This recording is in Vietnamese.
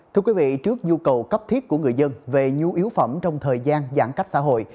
thưa quý vị trước nhu cầu cấp thiết của người dân về nhu yếu phẩm trong thời gian giãn cách xã hội